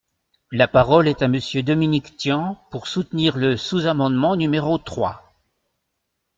La parole est à Monsieur Dominique Tian, pour soutenir le sous-amendement numéro trois.